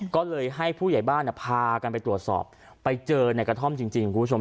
ก็เลยให้ผู้ใหญ่บ้านพากันไปตรวจสอบไปเจอในกระท่อมจริงคุณผู้ชม